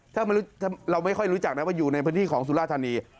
ถ้าเราไม่ค่อยรู้จักนะว่าอยู่ในพื้นที่ของสุราธานี